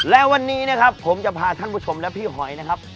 และวันนี้นะครับผมจะพาท่านผู้ชมและพี่หอยนะครับ